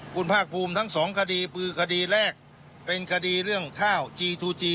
คุณภาคภูมิทั้งสองคดีคือคดีแรกเป็นคดีเรื่องข้าวจีทูจี